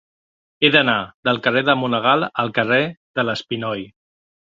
He d'anar del carrer de Monegal al carrer de l'Espinoi.